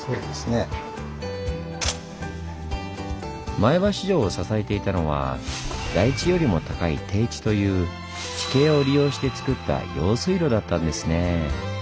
前橋城を支えていたのは台地よりも高い低地という地形を利用してつくった用水路だったんですねぇ。